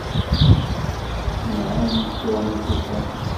S nnɛami ččuren ikufan.